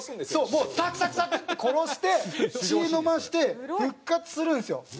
もうサクサクサクって殺して血飲まして復活するんですよ。